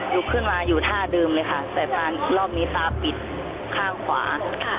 ขึ้นมาอยู่ท่าเดิมเลยค่ะแต่รอบนี้ตาปิดข้างขวา